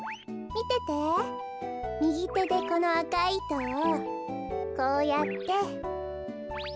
みぎてでこのあかいいとをこうやって。